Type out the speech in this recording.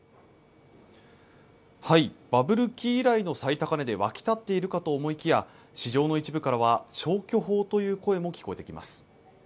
バブル期以来の最高値で沸き立っているかと思いきや、市場の一部からは消去法という声も聞こえてきます。